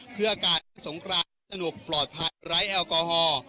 เพื่ออากาศให้สงครานสนุกปลอดภัยไร้แอลกอฮอล์